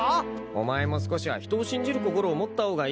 お前も少しは人を信じる心を持った方がいい。